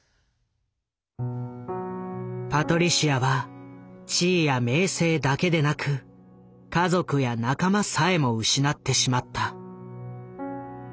パトリシアは地位や名声だけでなく家族や仲間さえも失ってしまった。